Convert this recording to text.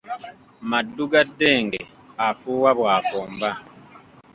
Maddu ga ddenge, afuuwa bwakomba.